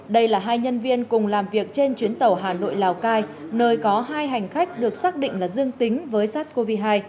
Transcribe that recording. đây là hai nhân viên cùng làm việc trên chuyến tàu hà nội lào cai nơi có hai hành khách được xác định là dương tính với sars cov hai